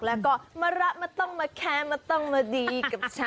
แล้วก็มะระมันต้องมาแค้นมันต้องมาดีกับฉัน